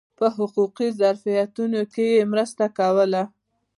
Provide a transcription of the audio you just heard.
په حقوقي ظرافتونو کې یې مرسته کوله.